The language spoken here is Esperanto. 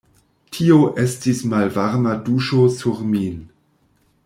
Tio estis malvarma duŝo sur min.